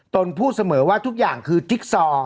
นพูดเสมอว่าทุกอย่างคือจิ๊กซอ